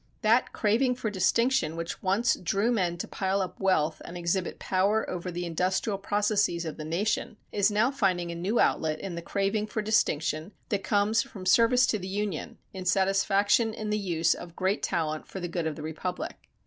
That craving for distinction which once drew men to pile up wealth and exhibit power over the industrial processes of the nation, is now finding a new outlet in the craving for distinction that comes from service to the Union, in satisfaction in the use of great talent for the good of the republic.